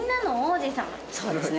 そうですね。